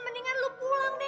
mendingan lu pulang deh